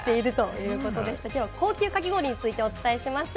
きょうは高級かき氷についてお届けしました。